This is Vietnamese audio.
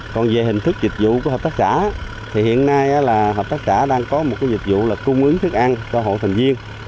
còn về hình thức dịch vụ của hợp tác xã thì hiện nay là hợp tác xã đang có một dịch vụ là cung ứng thức ăn cho hộ thành viên